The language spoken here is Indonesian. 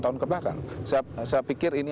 tahun kebelakang saya pikir ini